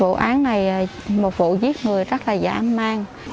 vụ án này một vụ giết người rất là dã man